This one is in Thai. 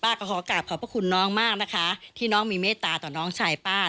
ก็ขอกลับขอบพระคุณน้องมากนะคะที่น้องมีเมตตาต่อน้องชายป้า